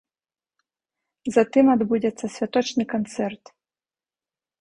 Затым адбудзецца святочны канцэрт.